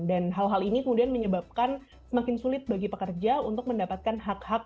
dan hal hal ini kemudian menyebabkan semakin sulit bagi pekerja untuk mendapatkan hak hak